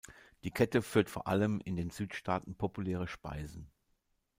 Die Kette führt vor allem in den Südstaaten populäre Speisen.